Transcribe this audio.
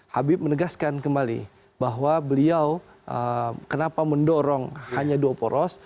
habib menegaskan kembali bahwa beliau kenapa mendorong hanya dua poros